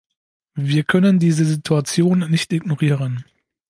Wir können diese Situation nicht ignorieren.